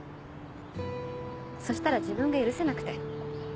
そしたら自分が許せなくて。